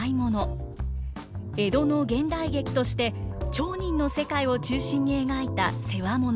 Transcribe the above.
江戸の現代劇として町人の世界を中心に描いた「世話物」。